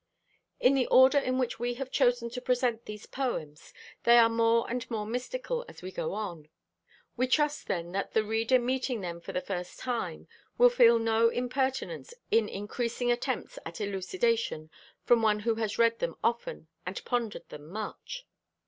In the order in which we have chosen to present these poems, they are more and more mystical as we go on. We trust, then, that the reader meeting them for the first time will feel no impertinence in increasing attempts at elucidation from one who has read them often and pondered them much.